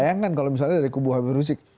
bayangkan kalau misalnya dari kb prizik